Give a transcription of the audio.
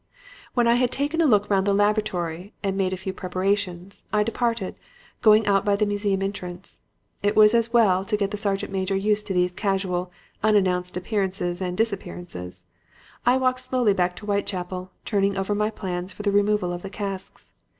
"When I had taken a look round the laboratory and made a few preparations, I departed, going out by the museum entrance. It was as well to get the sergeant major used to these casual, unannounced appearances and disappearances. I walked slowly back to Whitechapel, turning over my plans for the removal of the casks.